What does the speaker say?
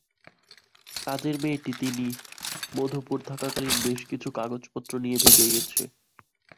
কাজের মেয়েটি তিনি মধুপুর থাকাকালীন বেশ কিছু জিনিসপত্র নিয়ে ভেগে গেছে।